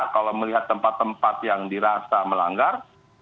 kalau melihat tempat tempat yang dirasa melanggar